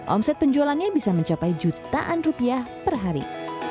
omset penjualannya bisa mencapai jutaan rupiah per hari